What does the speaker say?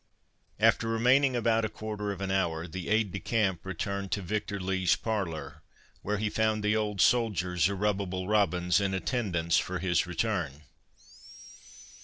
After remaining about a quarter of an hour, the aide de camp returned to Victor Lee's parlour, where he found the old soldier, Zerubbabel Robins, in attendance for his return.